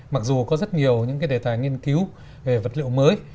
mặc dù có rất nhiều những cái đề tài nghiên cứu về vật liệu mới